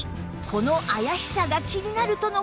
この怪しさが気になるとの事